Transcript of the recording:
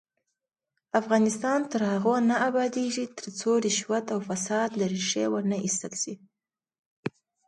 افغانستان تر هغو نه ابادیږي، ترڅو رشوت او فساد له ریښې ونه ایستل شي.